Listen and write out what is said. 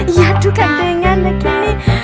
iya aduh kandengannya gini